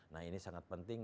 nah ini sangat penting